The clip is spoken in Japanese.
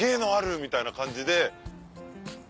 みたいな感じで。